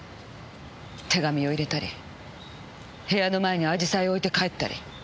手紙を入れたり部屋の前に紫陽花を置いて帰ったり。